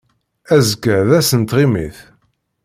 Azekka d ass n tɣimit.